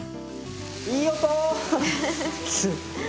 いい音！